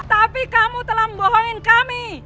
tapi kamu telah membohongin kami